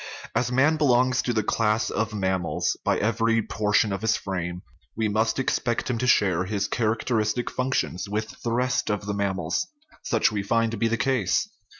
As man belongs to the class of mammals (see p. 27) by every por tion of his frame, we must expect him to share his characteristic functions with the rest of the mammals. Such we find to be the case.